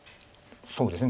そうですね。